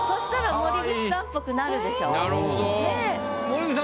森口さん